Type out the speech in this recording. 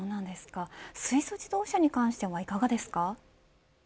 水素自動車に関してはいかがですか。